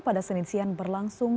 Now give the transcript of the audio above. pada senisian berlangsung